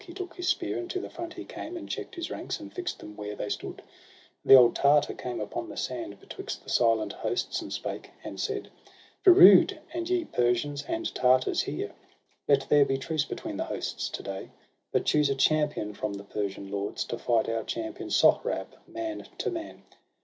He took his spear, and to the front he came, And check'd his ranks, and fix'd them where they stood. And the old Tartar came upon the sand Betwixt the silent hosts, and spake, and said :— 'Ferood, and ye, Persians and Tartars, hear! Let there be truce between the hosts to day. But choose a champion from the Persian lords To fight our champion Sohrab, man to man.'